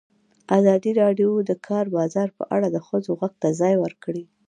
ازادي راډیو د د کار بازار په اړه د ښځو غږ ته ځای ورکړی.